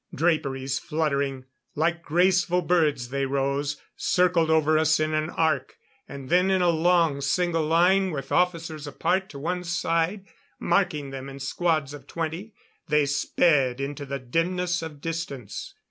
Draperies fluttering, like graceful birds they rose, circled over us in an arc; and then in a long, single line, with officers apart to one side marking them in squads of twenty, they sped into the dimness of distance.